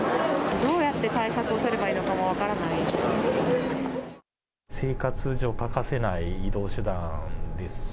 どうやって対策を取ればいいのかも分からないですね。